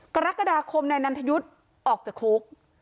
กรกฎาคมนายนันทยุทธ์ออกจากคุก